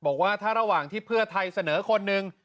บอกว่าถ้าระหว่างที่เพื่อไทยเสนอคนหนึ่ง